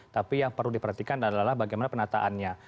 tapi yang perlu diperhatikan adalah bagaimana penataannya